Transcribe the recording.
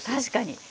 確かに。